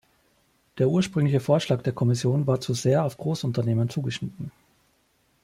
Der ursprüngliche Vorschlag der Kommission war zu sehr auf Großunternehmen zugeschnitten.